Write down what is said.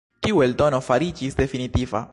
Tiu eldono fariĝis definitiva.